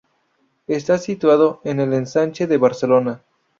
Está situado en el Ensanche de Barcelona.